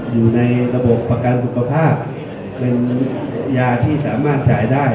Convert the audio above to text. อยู่ในระบบประกันสุขภาพเป็นยาที่สามารถจ่ายได้